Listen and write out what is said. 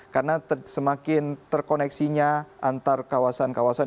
karena semakin terkoneksinya antar kawasan kawasan